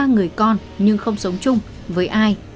ba người con nhưng không sống chung với ai